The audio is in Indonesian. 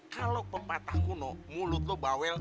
kalau pepatah kuno mulut lo bawel